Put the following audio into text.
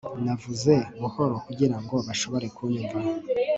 Navuze buhoro kugirango bashobore kunyumva